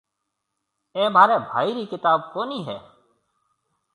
اَي مهاريَ ڀائي رِي ڪتاب ڪونَي هيَ۔